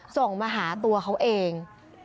ส่งมาหาตัวเขาเอง